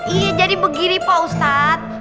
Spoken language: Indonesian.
iya jadi begini pak ustadz